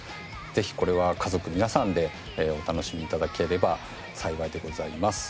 ぜひこれは家族皆さんでお楽しみ頂ければ幸いでございます。